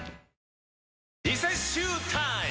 リセッシュータイム！